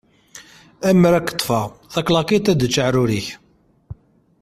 Amer ad k-ṭṭfeɣ, taklakiḍt ad d-tečč aεrur-ik!